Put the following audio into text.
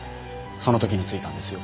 その時に付いたんですよ。